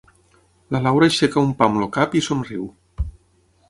La Laura aixeca un pam el cap i somriu.